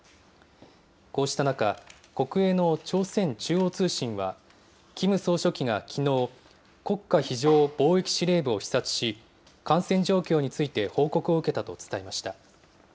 こうした中、国営の朝鮮中央通信は、キム総書記がきのう、国家非常防疫司令部を視察し、感染状況について報告を受けたと伝えました。